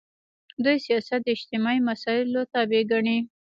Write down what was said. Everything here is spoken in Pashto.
دوی سیاست د اجتماعي مسایلو تابع ګڼي.